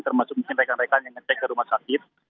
termasuk mungkin rekan rekan yang ngecek ke rumah sakit